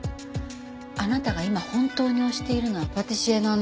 あなたが今本当に推しているのはパティシエのあの。